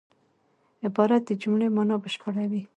عبارت د جملې مانا بشپړوي.